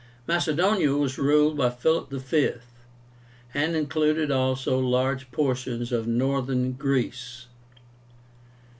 MACEDONIA was ruled by Philip V., and included also a large portion of Northern Greece.